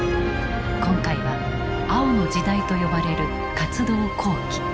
今回は「青の時代」と呼ばれる活動後期。